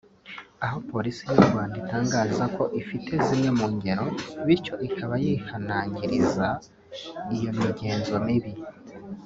aho Polisi y’u Rwanda itangaza ko ifite zimwe mu ngero bityo ikaba yihanangiriza iyo migenzo mibi